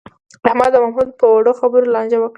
احمد او محمود په وړو خبرو لانجه وکړه.